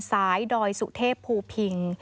ดอยสุเทพภูพิง